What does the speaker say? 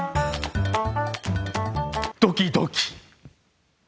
ドキドキ。